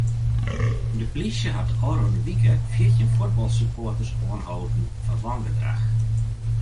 De plysje hat de ôfrûne wike fjirtjin fuotbalsupporters oanholden foar wangedrach.